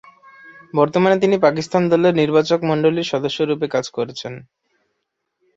বর্তমানে তিনি পাকিস্তানের দল নির্বাচকমণ্ডলীর সদস্যরূপে কাজ করছেন।